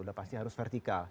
sudah pasti harus vertikal